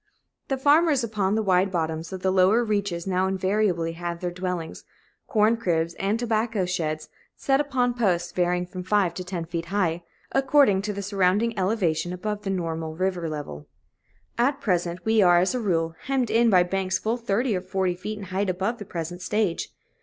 The farmers upon the wide bottoms of the lower reaches now invariably have their dwellings, corn cribs, and tobacco sheds set upon posts, varying from five to ten feet high, according to the surrounding elevation above the normal river level. At present we are, as a rule, hemmed in by banks full thirty or forty feet in height above the present stage.